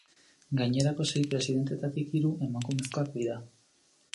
Gainerako sei presidenteetatik hiru emakumezkoak dira.